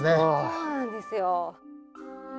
そうなんですよ。